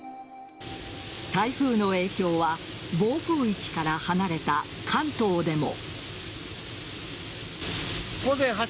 台風の影響は暴風域から離れた関東でも。